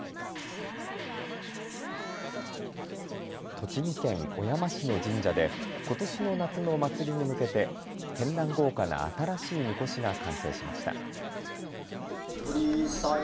栃木県小山市の神社でことしの夏の祭りに向けてけんらん豪華な新しいみこしが完成しました。